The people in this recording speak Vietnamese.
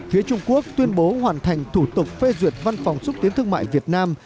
phía trung quốc tuyên bố hoàn thành thủ tục phê duyệt văn phòng xúc tiến thương mại việt nam